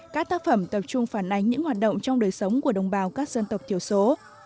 các tác phẩm tập trung phản ánh những hoạt động trong đời sống của đồng bào các dân tộc thiểu số